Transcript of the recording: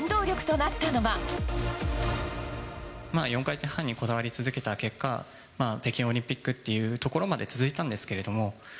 ４回転半にこだわり続けた結果、北京オリンピックっていうところまで続いたんですけれども。